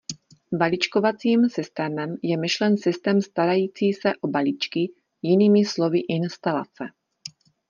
Balíčkovacím systémem je myšlen systém starající se o balíčky, jinými slovy instalace.